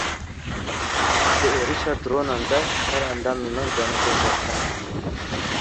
Di êrişa dronan de çar endamên me canê xwe ji dest dan.